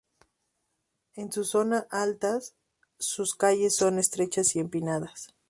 En su zona altas, sus calles son estrechas y empinadas.